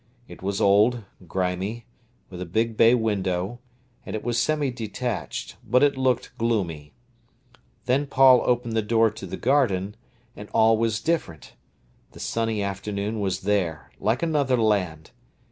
It was old, grimy, with a big bay window, and it was semi detached; but it looked gloomy. Then Paul opened the door to the garden, and all was different. The sunny afternoon was there, like another land.